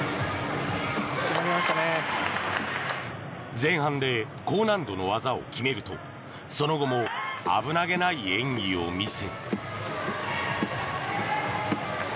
前半で高難度の技を決めるとその後も危なげない演技を見せ。